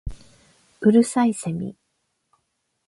五月蠅いセミ